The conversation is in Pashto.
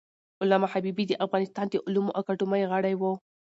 علامه حبیبي د افغانستان د علومو اکاډمۍ غړی و.